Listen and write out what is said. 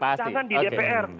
jangan di dpr